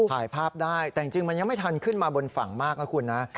ถ่ายภาพได้แต่จริงมันยังไม่ทันขึ้นมาบนฝั่งมากนะคุณนะ